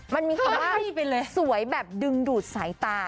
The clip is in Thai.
มันมีความสวยแบบดึงดูดสายตา